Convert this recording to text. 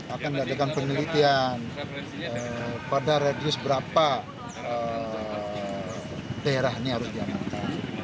akan diadakan penelitian pada radius berapa daerahnya arus jalan rata